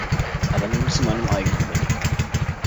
Aber nun zu meinem eigenen Bericht.